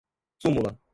súmula